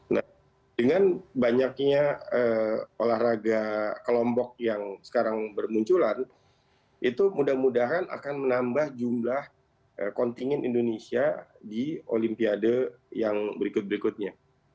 nah dengan banyaknya olahraga kelompok yang sekarang bermunculan itu mudah mudahan akan menambah jumlah kontingen indonesia di olimpiade yang berikut berikutnya